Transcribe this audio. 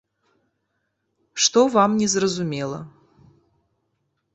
Што вам не зразумела?